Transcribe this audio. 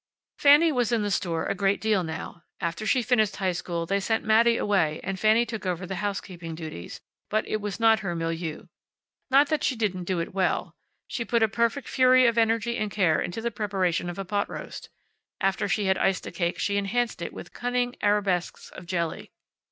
Fanny was in the store a great deal now. After she finished high school they sent Mattie away and Fanny took over the housekeeping duties, but it was not her milieu. Not that she didn't do it well. She put a perfect fury of energy and care into the preparation of a pot roast. After she had iced a cake she enhanced it with cunning arabesques of jelly.